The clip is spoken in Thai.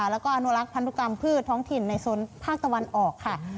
แล้วก็อนุรักษ์พันธุกรรมพืชท้องถิ่นในโซนภาคตะวันออกค่ะ